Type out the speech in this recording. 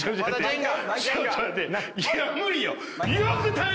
いや無理よ！